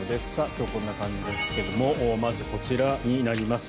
今日こんな感じですがまずこちらになります。